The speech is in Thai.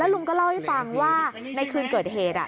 ลุงก็เล่าให้ฟังว่าในคืนเกิดเหตุ